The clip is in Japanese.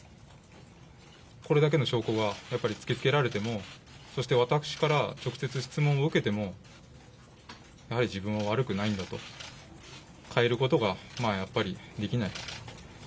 これだけの証拠がやっぱり突きつけられても、そして私から直接質問を受けても、やはり自分は悪くないんだと、変えることが、まあやっぱり、できない。